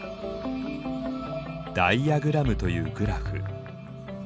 ダイアグラムというグラフ。